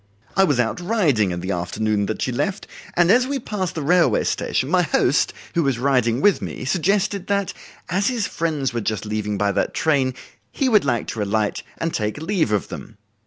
I was out riding in the afternoon that she left, and as we passed the railway station, my host, who was riding with me, suggested that, as his friends were just leaving by that train, he would like to alight and take leave of them.